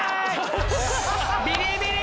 ビリビリ！